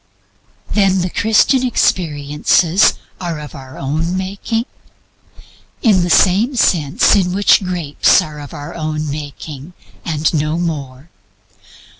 Then the Christian experiences are our own making? In the same sense in which grapes are our own making and no more.